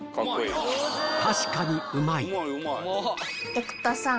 生田さん